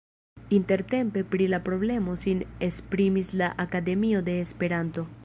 Intertempe pri la problemo sin esprimis la Akademio de Esperanto.